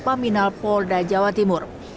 paminal polda jawa timur